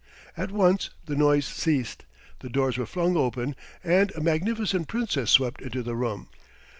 At once the noise ceased, the doors were flung open, and a magnificent Princess swept into the room.